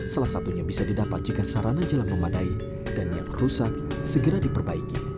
salah satunya bisa didapat jika sarana jalan memadai dan yang rusak segera diperbaiki